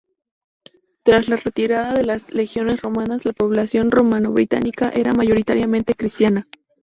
Tras la retirada de las legiones romanas, la población romano-británica era mayoritariamente cristiana.